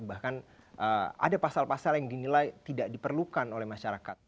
bahkan ada pasal pasal yang dinilai tidak diperlukan oleh masyarakat